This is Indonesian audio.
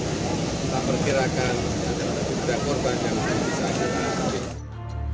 kita perkirakan ada berita korban yang bisa diperlukan